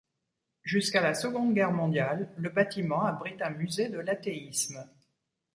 Jusqu'à la Seconde Guerre mondiale, le bâtiment abrite un musée de l'athéisme.